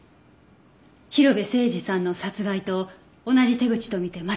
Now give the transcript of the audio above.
広辺誠児さんの殺害と同じ手口と見て間違いないわ。